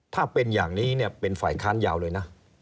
ถ้าเป็นอย่างนี้เนี่ยเป็นฝ่ายค้านยาวเลยนะ